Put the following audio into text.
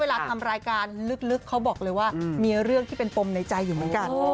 ทำรายการลึกเขาบอกเลยว่ามีเรื่องที่เป็นปมในใจอยู่เหมือนกัน